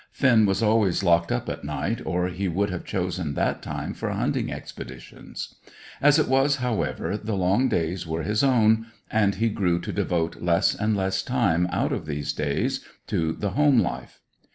Finn was always locked up at night, or he would have chosen that time for hunting expeditions. As it was, however, the long days were his own, and he grew to devote less and less time out of these days to the home life.